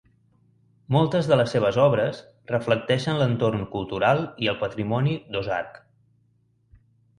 Moltes de les seves obres reflecteixen l'entorn cultural i el patrimoni d'Ozark.